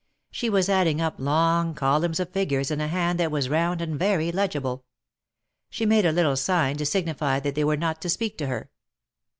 She was adding up long columns of figures in a hand that was round and very legible. She made a little sign to signify that they were not to speak to her.